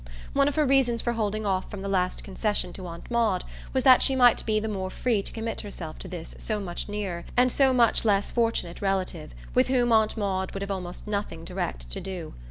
One of her reasons for holding off from the last concession to Aunt Maud was that she might be the more free to commit herself to this so much nearer and so much less fortunate relative, with whom Aunt Maud would have almost nothing direct to do.